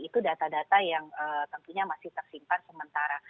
itu data data yang tentunya masih tersimpan sementara